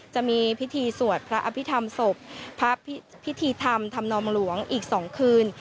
จะมีพิธีสวดพระอภิษฐรรมศพพระพิธีธรรมธรรมนองหลวงอีก๒คืน